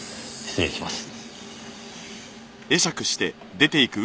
失礼します。